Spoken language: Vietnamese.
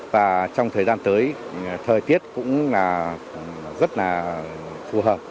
và trong thời gian tới thời tiết cũng là rất là đẹp